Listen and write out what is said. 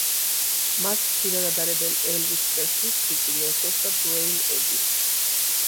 მას ხშირად ადარებენ ელვის პრესლის, რიკი ნელსონს და დუეინ ედის.